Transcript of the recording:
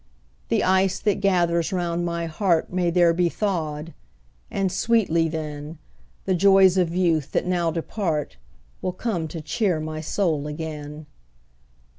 The ice that gathers round my heart May there be thawed; and sweetly, then, The joys of youth, that now depart, Will come to cheer my soul again.